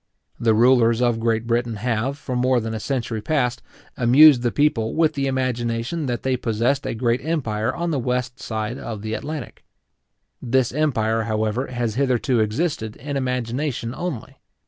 The rulers of Great Britain have, for more than a century past, amused the people with the imagination that they possessed a great empire on the west side of the Atlantic. This empire, however, has hitherto existed in imagination only.